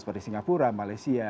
seperti singapura malaysia